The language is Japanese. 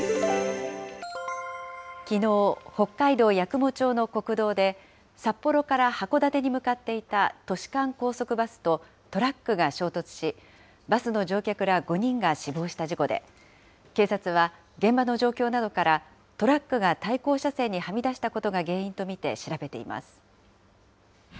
きのう、北海道八雲町の国道で、札幌から函館に向かっていた都市間高速バスとトラックが衝突し、バスの乗客ら５人が死亡した事故で、警察は現場の状況などから、トラックが対向車線にはみ出したことが原因と見て調べています。